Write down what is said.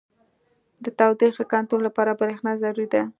• د تودوخې کنټرول لپاره برېښنا ضروري ده.